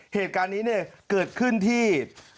เหตุการณ์นี้เนี่ยเกิดขึ้นที่